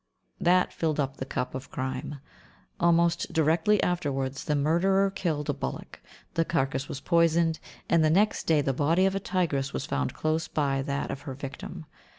That filled up the cup of crime. Almost directly afterwards the murderer killed a bullock; the carcass was poisoned, and the next day the body of a tigress was found close by that of her victim.